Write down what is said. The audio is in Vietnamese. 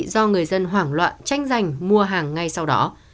do người dân hoảng loạn tranh giành mua hàng ngay sau đó